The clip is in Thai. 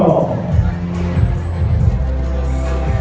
สโลแมคริปราบาล